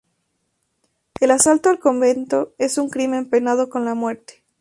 El asalto al convento es un crimen penado con la muerte.